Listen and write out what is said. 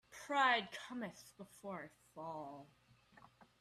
Pride cometh before a fall.